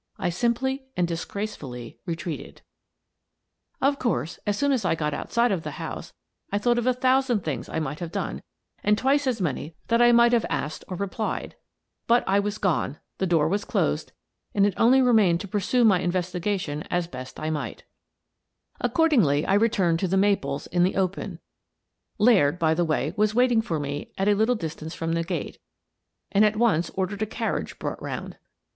I simply and disgracefully retreated. Of course, as soon as I got outside of the house, I thought of a thousand things I might have done and twice as many that I might have asked or re 206 Miss Frances Baird, Detective plied, but I was gone, the door was closed, and it only remained to pursue my investigations as best I might Accordingly, I returned to " The Maples " in the open — Laird, by the way, was waiting for me at a little distance from the gate — and at once ordered a carriage brought round.